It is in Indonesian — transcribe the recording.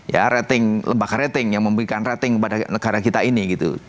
ya rating lembaga rating yang memberikan rating kepada negara kita ini gitu